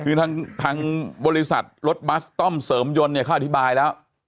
คือทางบริษัทรถบัสต้อมเสริมยนต์เนี่ยเขาอธิบายแล้ว